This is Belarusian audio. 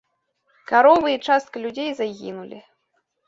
Каровы і частка людзей загінулі.